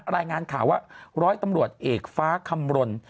รายงานข่าวว่าร้อยตำรวจเอกฟ้าคำรณ